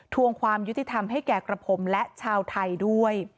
วงความยุติธรรมให้แก่กระผมและชาวไทยด้วย